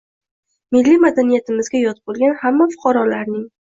Milliy madaniyatimizga yot bo’lgan hamda fuqarolarning